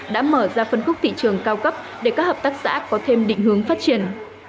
đã mở ra phân khúc thị trường cao cấp để các hợp tác xã có thêm định hướng phát triển